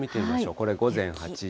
これ、午前８時。